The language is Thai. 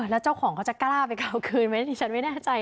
แล้วเจ้าของเขาจะกล้าไปเอาคืนไหมดิฉันไม่แน่ใจ